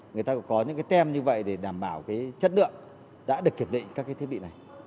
người ta có những tem như vậy để đảm bảo chất lượng đã được kiểm định các thiết bị này